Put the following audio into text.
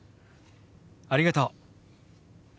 ありがとう。